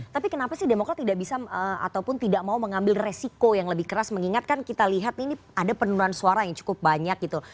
tapi kenapa sih demokrat tidak bisa ataupun tidak mau mengambil resiko yang lebih keras mengingatkan kita lihat ini ada penurunan suara yang cukup banyak gitu